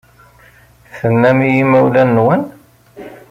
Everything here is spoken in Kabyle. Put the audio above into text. Tennam i yimawlan-nwen?